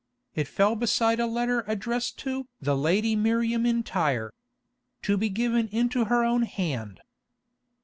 It fell beside a letter addressed to "The Lady Miriam in Tyre. To be given into her own hand."